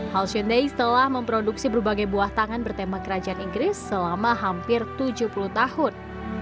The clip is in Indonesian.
halchonday telah memproduksi berbagai buah tangan bertema kerajaan inggris selama hampir tujuh puluh tahun